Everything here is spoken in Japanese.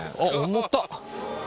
重たっ。